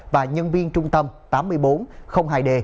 và nhân viên trung tâm tám nghìn bốn trăm linh hai d